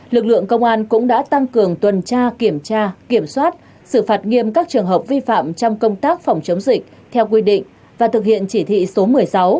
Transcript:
lực lượng công an cũng đã tăng cường tuần tra kiểm tra kiểm soát xử phạt nghiêm các trường hợp vi phạm trong công tác phòng chống dịch theo quy định và thực hiện chỉ thị số một mươi sáu